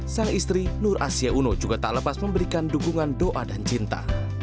sang istri nur asia uno juga tak lepas memberikan dukungan doa dan cinta